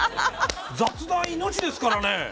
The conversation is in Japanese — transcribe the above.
雑談命ですからね。